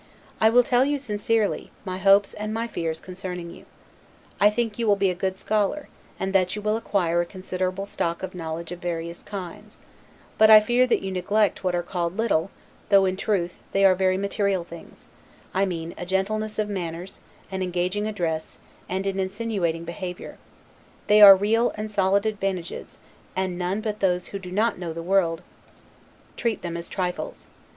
I will tell you sincerely, my hopes and my fears concerning you. I think you will be a good scholar; and that you will acquire a considerable stock of knowledge of various kinds; but I fear that you neglect what are called little, though, in truth, they are very material things; I mean, a gentleness of manners, an engaging address, and an insinuating behavior; they are real and solid advantages, and none but those who do not know the world, treat them as trifles.